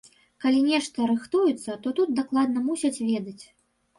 Калі нешта рыхтуецца, то тут дакладна мусяць ведаць.